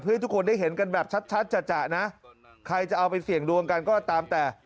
ให้ทุกคนได้เห็นกันแบบชัดจะนะใครจะเอาไปเสี่ยงดวงกันก็ตามแต่